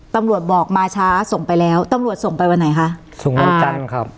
ตำรวจบอกมาช้าส่งไปแล้วตำรวจส่งไปวันไหนคะส่งวันจันทร์ครับ